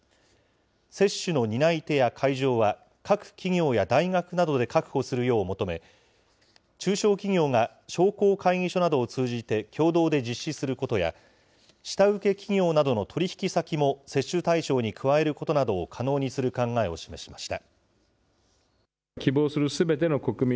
接種の担い手や会場は、各企業や大学などで確保するよう求め、中小企業が商工会議所などを通じて共同で実施することや、下請け企業などの取り引き先も接種対象に加えることなどを可能にする考えを示しました。